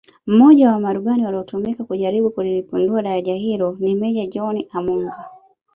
Mmoja wa marubani waliotumika kujaribu kulilipua daraja hilo ni Meja John Amunga